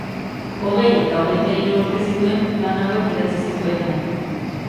Hogei eta hogeita hiru urte zituen lan hauek idatzi zituenean.